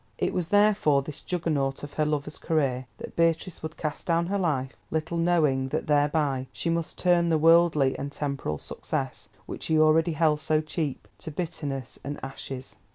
It was therefore this Juggernaut of her lover's career that Beatrice would cast down her life, little knowing that thereby she must turn the worldly and temporal success, which he already held so cheap, to bitterness and ashes.